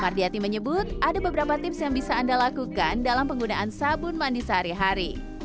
fardiati menyebut ada beberapa tips yang bisa anda lakukan dalam penggunaan sabun mandi sehari hari